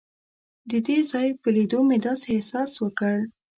د دې ځای په لیدو مې داسې احساس وکړ.